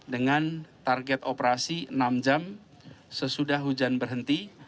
dengan target operasi enam jam sesudah hujan berhenti